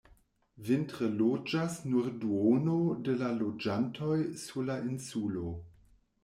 Vintre loĝas nur duono de la loĝantoj sur la insulo.